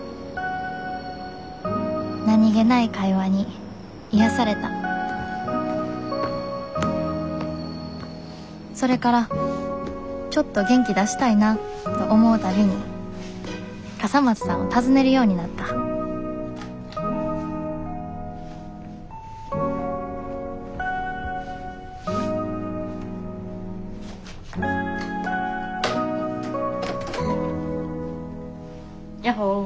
何気ない会話に癒やされたそれからちょっと元気出したいなと思うたびに笠松さんを訪ねるようになったやっほ。